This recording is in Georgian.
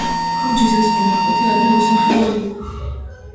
ქუჩის ეს მონაკვეთი ადრე უსახელო იყო.